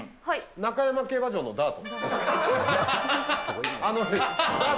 中山競馬場のダート。